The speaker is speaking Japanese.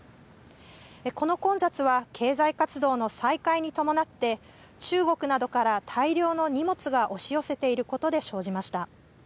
この混雑は、経済活動の再開に伴って、中国などから大量の荷物が押し寄せていることで生じました。